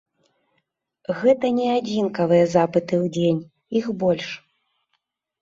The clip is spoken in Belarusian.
Гэта не адзінкавыя запыты ў дзень, іх больш.